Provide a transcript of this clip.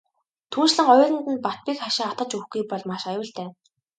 Түүнчлэн хоёуланд нь бат бэх хашаа хатгаж өгөхгүй бол маш аюултай.